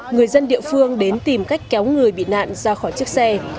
người dân địa phương đến tìm cách kéo người bị nạn ra khỏi chiếc xe